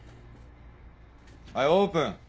はいオープン。